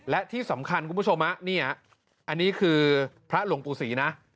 และที่สำคัญคุณผู้ชมนี่อันนี้คือพระหลวงปู่ศรีนะ